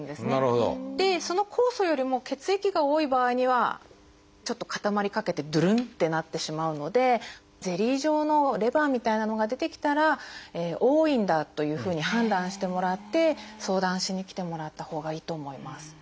その酵素よりも血液が多い場合にはちょっと固まりかけてドゥルンってなってしまうのでゼリー状のレバーみたいなのが出てきたら多いんだというふうに判断してもらって相談しに来てもらったほうがいいと思います。